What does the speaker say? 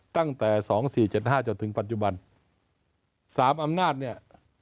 ตั้งแต่๒๔๗๕จนถึงปัจจุบันสามอำนาจเนี่ย